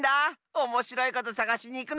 おもしろいことさがしにいくの。